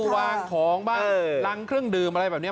วางของบ้างรังเครื่องดื่มอะไรแบบนี้